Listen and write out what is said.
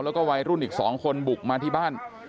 แล้วก็วัยรุ่นอีก๒คนบุกมาที่บ้าน